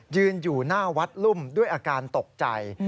ยืนอยู่หน้าวัดลุ่มด้วยอาการตกใจ